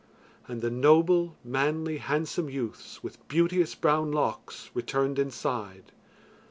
And the noble, manly, handsome youths with beauteous, brown locks returned inside.